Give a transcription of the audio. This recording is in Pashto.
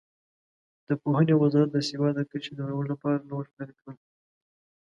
د پوهنې وزارت د سواد د کچې د لوړولو لپاره نوښت پیل کړ.